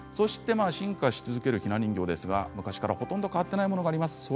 進化し続けているひな人形ですが昔からほとんど変わっていないものもあります。